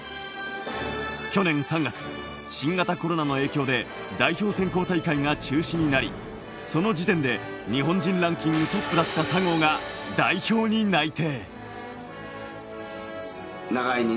去年３月、新型コロナの影響で代表選考大会が中止になり、その時点で日本人ランキングトップだった佐合が代表に内定。